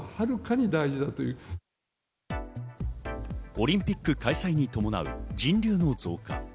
オリンピック開催に伴う人流の増加。